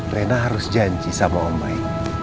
rena harus janji sama om baik